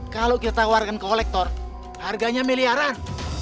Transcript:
kalau kita tawarkan ke kolektor harganya miliaran